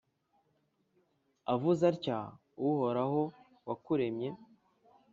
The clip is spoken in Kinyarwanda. avuze atya uhoraho wakuremye,